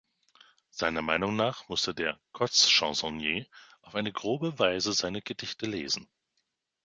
Seiner Meinung nach mußte der "«Kotz-Chansonnier»" auf eine grobe Weise seine Gedichte lesen.